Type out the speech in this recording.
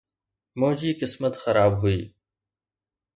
منھنجي قسمت خراب هئي